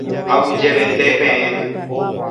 Aguyjevete peẽme.